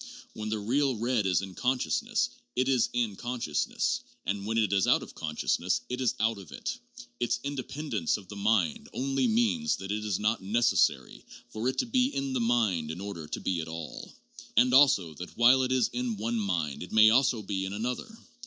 "When the real red is in consciousness, it is in consciousness; and when it is out of conscious ness, it is out of it. Its independence of the mind only means that it is not necessary for it to be in the mind in order to be at all, and also that while it is in one mind it may also be in another.